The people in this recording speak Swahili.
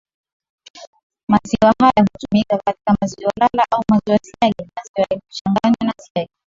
Maziwa haya hutumika kama maziwa lala au maziwa siagi na maziwa yaliyochanganywa na siagi